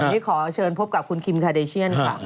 นี่ขอเชิญพบกับคุณคิมคาเดเชียนค่ะ